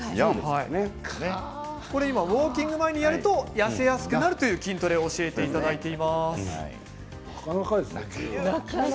ウォーキング前にやると痩せやすくなるという筋トレを教えていただいています。